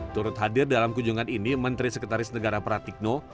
turut hadir dalam kunjungan ini menteri sekretaris negara pratikno